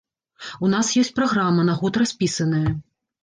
У нас ёсць праграма, на год распісаная.